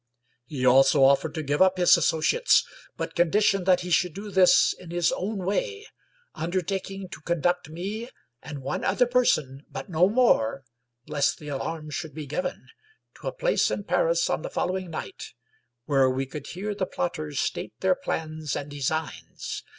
He also offered to give up his associates, but conditioned that he should do this in his own way; un dertaking to conduct me and one other person — but no more, lest the alarm should be given — to a place in Paris on the following night, where we could hear the plotters state their plans and designs.